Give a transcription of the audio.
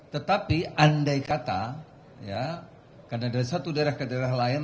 tetapi andai kata karena dari satu daerah ke daerah lain